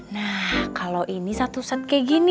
nah kalau ini satu set kayak gini